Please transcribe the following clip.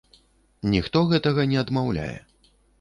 Ніхто гэтага не адмаўляе.